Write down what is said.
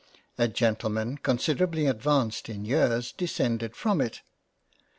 A Gentleman considerably advanced in years, descended from it.